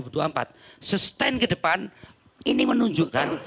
sustain ke depan ini menunjukkan